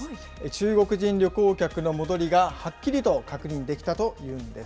中国人旅行客の戻りがはっきりと確認できたというんです。